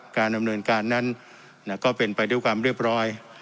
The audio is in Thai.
การดำเนินการนั้นก็เป็นไปด้วยความเรียบร้อย